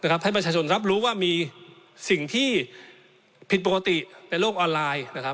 ให้ประชาชนรับรู้ว่ามีสิ่งที่ผิดปกติในโลกออนไลน์